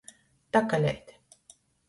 Takaleit.